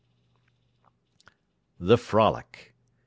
_ THE FROLIC.